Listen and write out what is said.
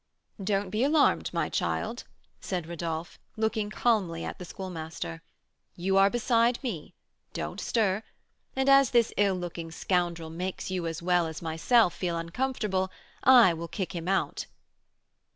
"Don't be alarmed, my child," said Rodolph, looking calmly at the Schoolmaster; "you are beside me, don't stir; and as this ill looking scoundrel makes you as well as myself feel uncomfortable, I will kick him out."